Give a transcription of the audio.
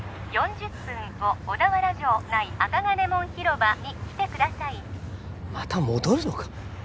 ４０分後小田原城内銅門広場に来てくださいまた戻るのか？